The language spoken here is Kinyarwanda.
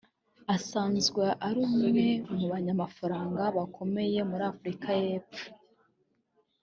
asanzwe ari umwe mu banyamafaranga bakomeye muri Afurika y’Epfo